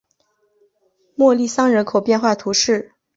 穆利桑人口变化图示